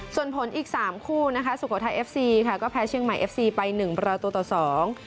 ส่วนผลอีกสามคู่นะคะสุโขทัยเอฟซีค่ะก็แพ้เชียงใหม่เอฟซีไปหนึ่งประตูต่อสอง